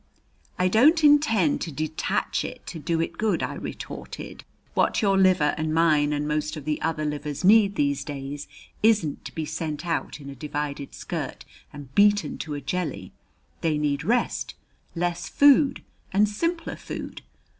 "I don't intend to detach it to do it good," I retorted. "What your liver and mine and most of the other livers need these days isn't to be sent out in a divided skirt and beaten to a jelly: they need rest less food and simpler food.